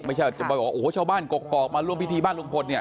โอ้โหชาวบ้านกรอกกรอกมาร่วมพิธีบ้านลุงพลเนี่ย